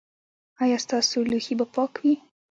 ایا ستاسو لوښي به پاک وي؟